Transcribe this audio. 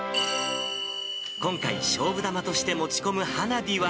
今回、勝負玉として持ち込む花火は。